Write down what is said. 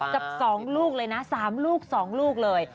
กับ๒ลูกเลยนะ๓ลูก๒ลูกเลย